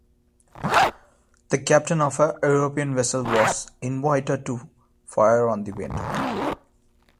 The captain of a European vessel was invited to fire on the wind.